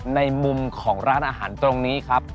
ในมุมของร้านอาหารตรงนี้ครับ